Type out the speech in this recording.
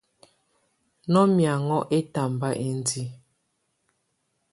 Nɔ mɛ̀áŋɔ ɛtambá índiǝ́.